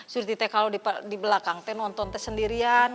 surty the kalau di belakang nonton sendirian